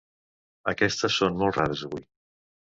Aquestes són molt rares avui: